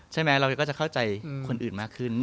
เราก็จะเข้าใจคนอื่นมากขึ้น